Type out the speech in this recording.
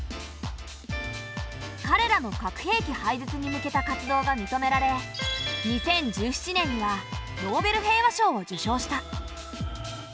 かれらの核兵器廃絶に向けた活動が認められ２０１７年にはノーベル平和賞を受賞した。